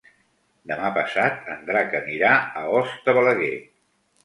Demà passat en Drac anirà a Os de Balaguer.